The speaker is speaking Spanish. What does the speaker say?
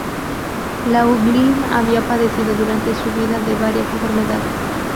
Laughlin había padecido durante su vida de varias enfermedades.